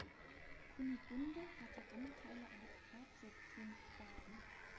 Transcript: Kunigunde hatte Anteile am Herzogtum Schwaben.